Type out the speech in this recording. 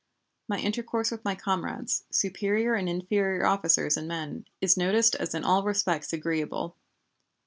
My intercourse with my comrades, superior and inferior officers and men, is noticed as in all respects agreeable.